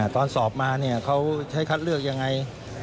ตอนสอบมาเขาใช้คัดเลือกยังไง